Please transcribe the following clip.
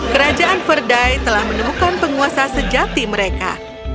kerajaan ferdie telah menemukan penguasa sejati mereka